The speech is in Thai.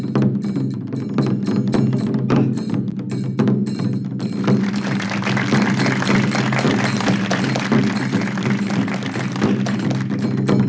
ไม่มีใครเลือก